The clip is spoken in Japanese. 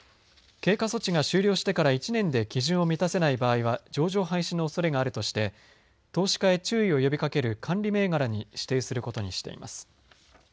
経過措置が終了してから１年で基準を満たせない場合は上場廃止のおそれがあるとして投資家へ注意を呼びかける監理銘柄に指定することにしています。